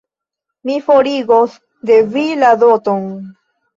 Mi forigos de vi la doton.